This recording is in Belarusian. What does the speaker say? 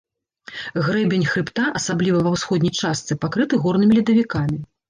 Грэбень хрыбта, асабліва ва ўсходняй частцы, пакрыты горнымі ледавікамі.